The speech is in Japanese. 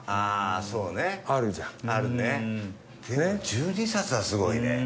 １２冊はすごいね。